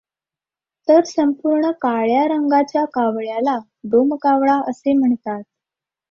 तर संपूर्ण काळ्या रंगाच्या कावळ्याला डोमकावळा असे म्हणतात.